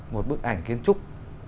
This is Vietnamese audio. một bức ảnh kiến trúc